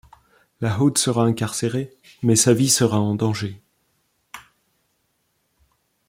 Lahoud sera incarcéré, mais sa vie sera en danger.